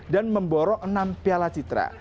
dan memborok enam piala citra